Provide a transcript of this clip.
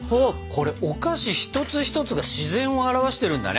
これお菓子一つ一つが自然を表してるんだね。